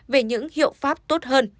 về những hiệu pháp tốt hơn